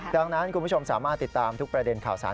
ดังนั้นคุณผู้ชมสามารถติดตามทุกประเด็นข่าวสาร